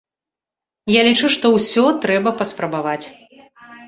Я лічу, што ўсё трэба паспрабаваць.